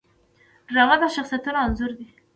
ډرامه د شخصیتونو انځور دی